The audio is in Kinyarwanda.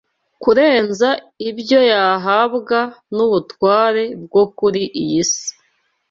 kurenza ibyo yahabwa n’ubutware bwo kuri iyi si